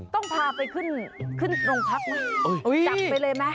ต้องพาไปขึ้นโรงพรรคมาจับไปเลยมั้ย